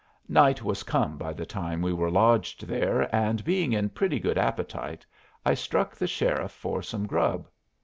Night was come by the time we were lodged there, and, being in pretty good appetite, I struck the sheriff for some grub.